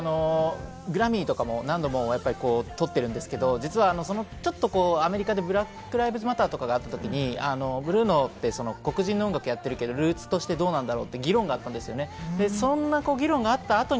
グラミーとかでも、何度も取ってるんですけれども、実はちょっとアメリカでＢｌａｃｋＬｉｖｅｓＭａｔｔｅｒとかがあったときにブルーノって黒人の音楽やってるけれども、ルーツとしてどうなんだろうって議論があったんです。